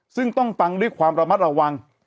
ซึ่งต้องฟังด้วยความระมัดระวัง